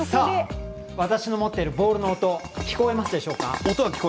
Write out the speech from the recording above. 私の持っているボールの音聞こえますでしょうか。